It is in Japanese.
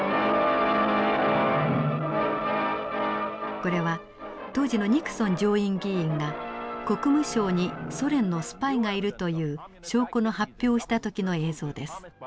これは当時のニクソン上院議員が国務省にソ連のスパイがいるという証拠の発表をした時の映像です。